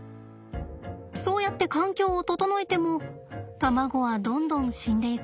そうやって環境を整えても卵はどんどん死んでいきました。